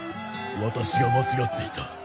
ワタシが間違っていた。